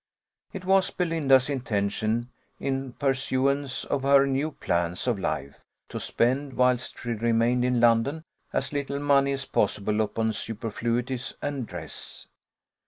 It was Belinda's intention, in pursuance of her new plans of life, to spend, whilst she remained in London, as little money as possible upon superfluities and dress.